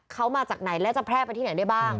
เขามาจากไหนและจะแพร่ไปที่ไหนได้บ้าง